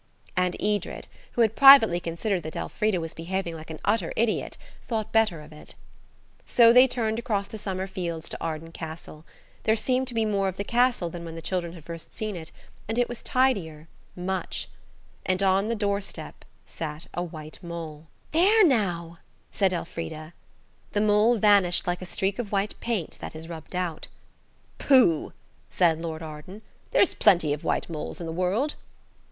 And Edred, who had privately considered that Elfrida was behaving like an utter idiot, thought better of it. So they turned across the summer fields to Arden Castle. There seemed to be more of the castle than when the children had first seen it, and it was tidier, much. And on the doorstep sat a white mole. "THE MOULDIWARP MADE A LITTLE RUN AND A LITTLE JUMP, AND ELFRIDA CAUGHT IT." "There now!" said Elfrida. The mole vanished like a streak of white paint that is rubbed out. "Pooh!" said Lord Arden. "There's plenty white moles in the world."